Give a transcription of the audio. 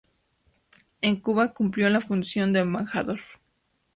En Cuba cumplió la función de embajador.